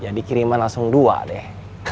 jadi kiriman langsung dua deh